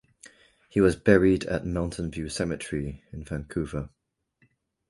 He was buried at Mountain View Cemetery in Vancouver.